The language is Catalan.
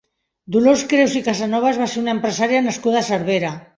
Dolors Creus i Casanovas va ser una empresària nascuda a Cervera.